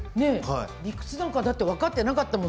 理屈なんて分かっていなかった。